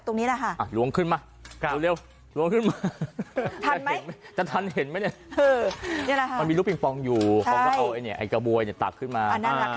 มีลูกปริงปองอยู่เค้าเอากระบวยตัดขึ้นมา